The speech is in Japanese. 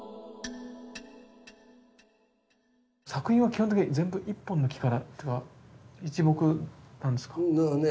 作品は基本的に全部一本の木からっていうか一木なんですか？